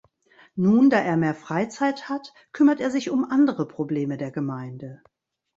Nun, da er mehr Freizeit hat, kümmert er sich um andere Probleme der Gemeinde.